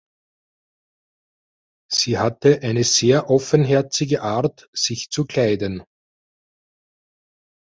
Sie hatte eine sehr offenherzige Art, sich zu kleiden.